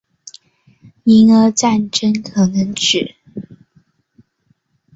英阿战争可能指